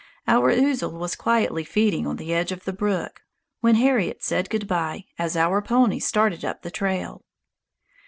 Our ouzel was quietly feeding on the edge of the brook, when Harriet said good bye as our ponies started up the trail.